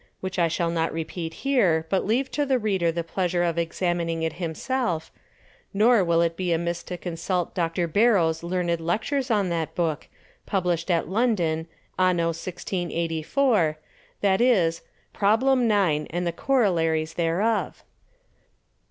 which I shall not repeat here, but leave the Reader the pleasure of examining it himself; nor will it be amiss to consult Dr. Barrow's Learned Lectures on that Book, Publish'd at London, Anno 1684, viz. Probl. IX. and the Corollaries thereof.